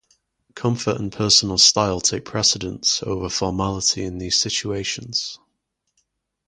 Comfort and personal style take precedence over formality in these situations.